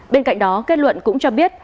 bên cạnh đó kết luận cũng cho biết